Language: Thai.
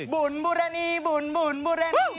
บุ่นบุรณีบุ่นบุ่นบุรณี